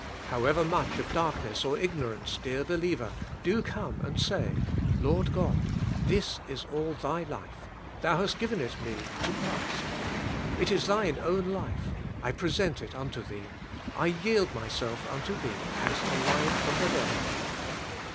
However much of dark ness or ignorance, dear believer, do come and say, *'Lord God, this is all Thy life; Thou hast given it me to Christ; it is Thine own life, I present it unto Thee; I yield myself unto Thee as alive from the dead.